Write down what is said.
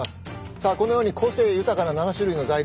さあこのように個性豊かな７種類の材料をね